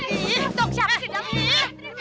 ihh dong siapa sih dalam ini